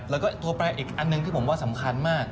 แล้วก็ตัวแปลอีกอันหนึ่งที่ผมว่าสำคัญมาก